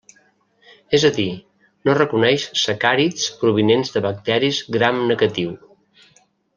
És a dir, no reconeix sacàrids provinents de bacteris gram negatiu.